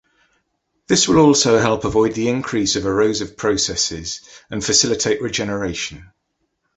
This will also help avoid the increase of erosive processes and facilitate regeneration.